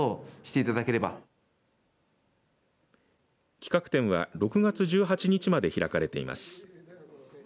企画展は６月１８日まで開かれています。